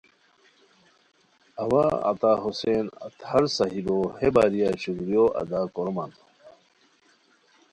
اوا عطاحسین اطہرصاحبو ہے باریہ شکریو ادا کورومان